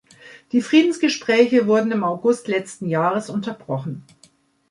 Die Friedensgespräche wurden im August letzten Jahres unterbrochen.